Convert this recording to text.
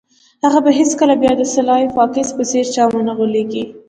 هغه به هیڅکله بیا د سلای فاکس په څیر چا ونه غولیږي